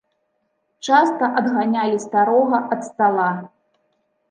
Часта адганялі старога ад стала.